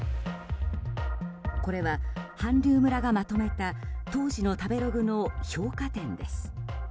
これは、韓流村がまとめた当時の食べログの評価点です。